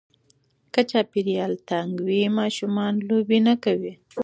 که چاپېریال تنګ وي، ماشومان لوبې نه کوي.